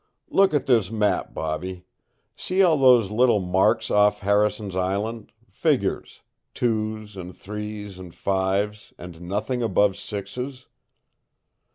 "Look at this map, Bobby. See all those little marks off Harrison's Island figures twos and threes and fives, and nothing above sixes?